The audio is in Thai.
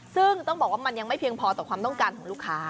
ซึ่งต้องบอกว่ามันยังไม่เพียงพอต่อความต้องการของลูกค้า